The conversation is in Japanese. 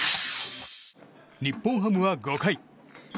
日本ハムは５回。